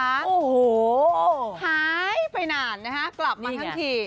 โอ้โหหายไปนานนะฮะกลับมาทั้งที